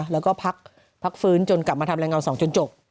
แล้วก็พักฟื้นจนกลับมาทำกับ๒๒มิถุนาจนจบ